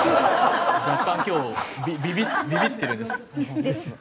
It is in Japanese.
若干今日ビビってるんですけど。